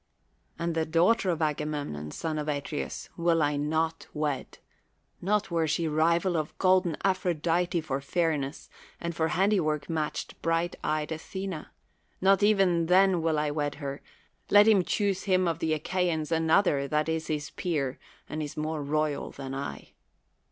And the daughter of Agamemnon, son of Atreus, will I not wed, not were she rival of golden Aphrodite for fairness and for handi work matched bright eyed Athene— not even then will I wt'd her; let him choose him of the Achaians another that is his x>eer and is more royal than I.